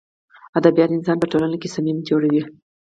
ادبیات انسان په ټولنه کښي صمیمي جوړوي.